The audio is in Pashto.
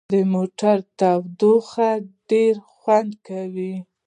د موټر تودوخې ډېر خوند وکړ.